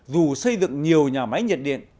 dù xây dựng nhiều nhà máy nhiệt điện